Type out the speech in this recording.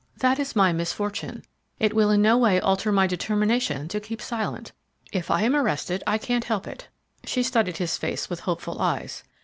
That is my misfortune. It will in no way alter my determination to keep silent. If I am arrested I can't help it." She studied his face with hopeful eyes.